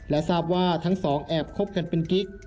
และทราบว่าทั้งสองแอบคบกันเป็นกิ๊ก